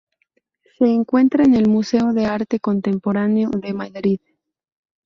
Se encuentra en el Museo de Arte Contemporáneo de Madrid.